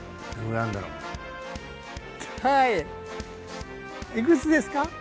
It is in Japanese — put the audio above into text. はいいくつですか？